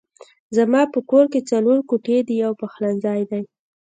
زما په کور کې څلور کوټې دي يو پخلنځی دی